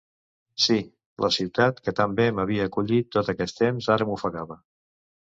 Sí, la ciutat que tan bé m'havia acollit tot aquest temps, ara m'ofegava.